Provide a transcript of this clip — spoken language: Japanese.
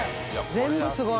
全部すごい。